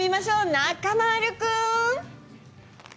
中丸君。